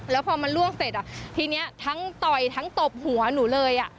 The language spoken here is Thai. แล้วพอมันล่วงเสร็จทีนี้ทั้งต่อยทั้งตบหัวหนูเลย